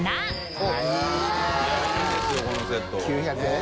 ９００円？